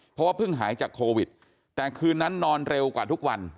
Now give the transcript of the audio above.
เพราะว่าเพิ่งหายจากโควิดแต่คืนนั้นนอนเร็วกว่าทุกวัน